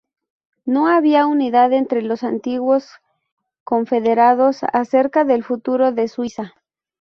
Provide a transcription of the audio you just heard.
No había unidad entre los antiguos confederados acerca del futuro de Suiza.